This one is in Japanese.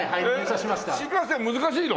新幹線難しいの？